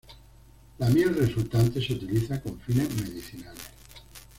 La miel resultante se utiliza con fines medicinales.